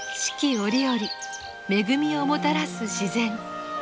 折々恵みをもたらす自然。